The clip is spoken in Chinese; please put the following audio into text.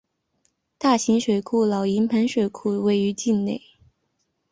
大型水库老营盘水库位于境内。